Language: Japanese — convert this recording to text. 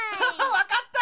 わかった！